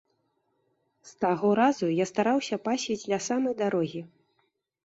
З таго разу я стараўся пасвіць ля самай дарогі.